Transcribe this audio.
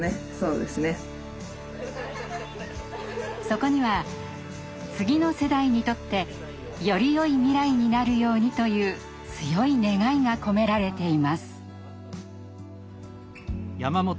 そこには次の世代にとってよりよい未来になるようにという強い願いが込められています。